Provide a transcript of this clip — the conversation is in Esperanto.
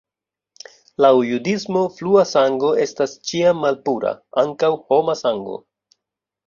Laŭ judismo flua sango estas ĉiam malpura, ankaŭ homa sango.